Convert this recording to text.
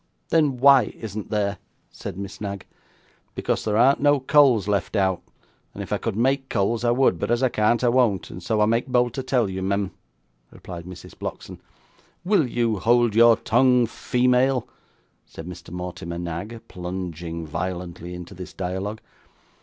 'Then why isn't there?' said Miss Knag. 'Because there arn't no coals left out, and if I could make coals I would, but as I can't I won't, and so I make bold to tell you, Mem,' replied Mrs. Blockson. 'Will you hold your tongue female?' said Mr. Mortimer Knag, plunging violently into this dialogue.